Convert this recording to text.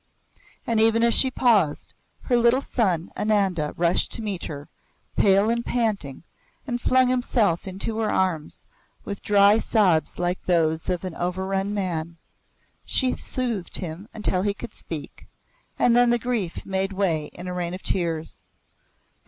And even as she paused, her little son Ananda rushed to meet her, pale and panting, and flung himself into her arms with dry sobs like those of an overrun man. She soothed him until he could speak, and then the grief made way in a rain of tears.